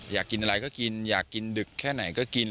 อยากกินอะไรก็กินอยากกินดึกแค่ไหนก็กิน